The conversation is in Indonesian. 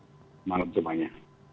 selamat malam semuanya